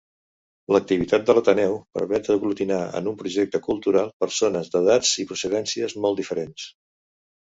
L'activitat de l'Ateneu permet aglutinar en un projecte cultural persones d'edats i procedències molt diferents.